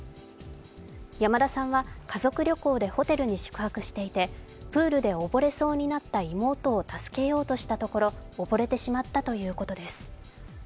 山田さんは家族旅行でホテルに宿泊していてプールで溺れそうになった妹を助けようとしたところ、溺れてしまったということです。